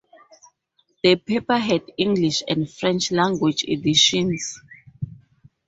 The paper had English and French language editions.